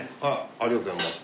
ありがとうございます。